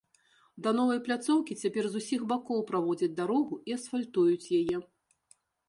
Да новай пляцоўкі цяпер з усіх бакоў праводзяць дарогу і асфальтуюць яе.